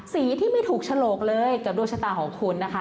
สีที่ไม่ถูกฉลกเลยกับดวงชะตาของคุณนะคะ